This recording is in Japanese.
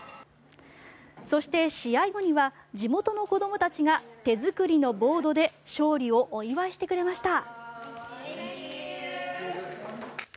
そして、試合後には地元の子どもたちが手作りのボードで勝利をお祝いしてくれました。